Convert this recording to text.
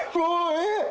えっ？